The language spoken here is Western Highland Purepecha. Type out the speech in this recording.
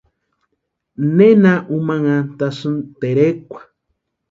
¿Nena umanhantasïni terekwa?